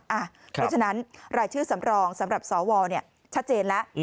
เพราะฉะนั้นรายชื่อสำรองสำหรับสวชัดเจนแล้ว